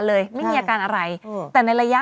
คุณผู้ชมขายังจริงท่านออกมาบอกว่า